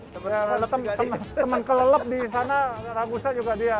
teman kelelep di sana ragusa juga dia